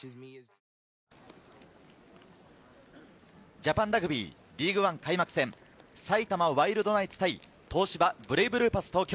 ジャパンラグビーリーグワン開幕戦、埼玉ワイルドナイツ対東芝ブレイブルーパス東京。